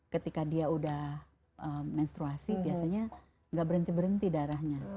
ketika dia udah menstruasi biasanya nggak berhenti berhenti darahnya